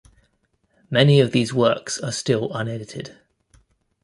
Many of these works are still unedited.